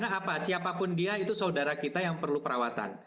karena apa siapapun dia itu saudara kita yang perlu perawatan